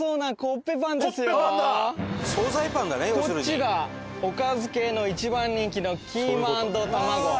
こっちがおかず系の一番人気のキーマ＆たまご。